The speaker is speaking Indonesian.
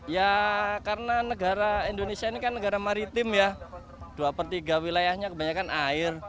ya karena negara indonesia ini kan negara maritim ya dua per tiga wilayahnya kebanyakan air